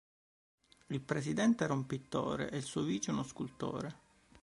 Il presidente era un pittore e il suo vice uno scultore.